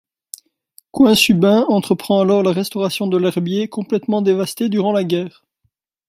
Quisumbing entreprend alors la restauration de l’herbier complètement dévasté durant la guerre.